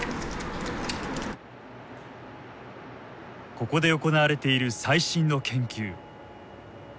ここで行われている最新の研究。